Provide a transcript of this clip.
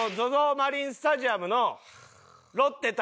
マリンスタジアムのロッテ対